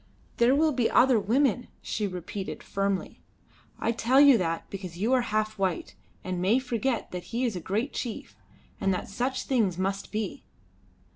"There will be other women," she repeated firmly; "I tell you that, because you are half white, and may forget that he is a great chief, and that such things must be.